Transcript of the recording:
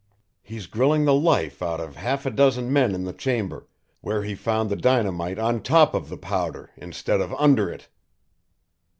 He's grilling the life out of half a dozen men in the chamber, where he found the dynamite on top of the powder instead of under it."